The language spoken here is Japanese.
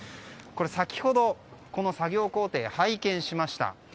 先ほどこの作業工程を拝見しました。